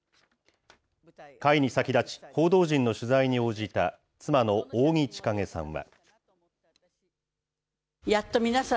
会に先立ち、報道陣の取材に応じた妻の扇千景さんは。